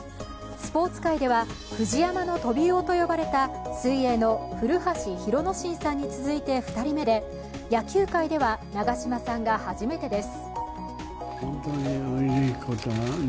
スポーツ界では、フジヤマのトビウオと呼ばれた水泳の古橋廣之進さんに続いて２人目で野球界では長嶋さんが初めてです。